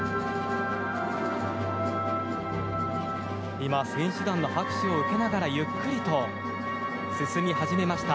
今、選手団の拍手を受けながらゆっくりと進み始めました。